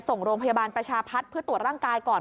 ส่งโรงพยาบาลประชาพัฒน์เพื่อตรวจร่างกายก่อน